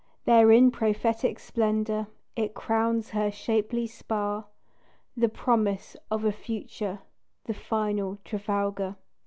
There in prophetic splendor It crowns her shapely spar, The promise of a future The final Trafalgar.